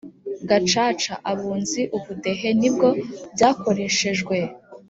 Gacaca Abunzi Ubudehe nibwo byakoreshejwe